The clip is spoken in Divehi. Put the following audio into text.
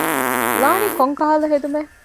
ލާނީ ކޮންކަހަލަ ހެދުމެއް؟